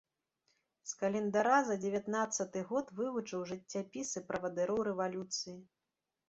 З календара за дзевятнаццаты год вывучыў жыццяпісы правадыроў рэвалюцыі.